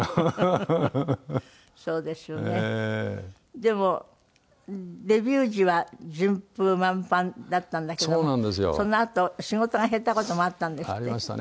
でもデビュー時は順風満帆だったんだけどそのあと仕事が減った事もあったんですって？ありましたね。